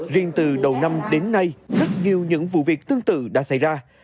riêng từ đầu năm đến nay rất nhiều những vụ việc tương tự đã xảy ra